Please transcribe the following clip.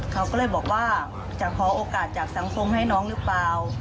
เขาก็เลยบอกว่าจะขอโอกาสจากสังคมให้น้องหรือเปล่า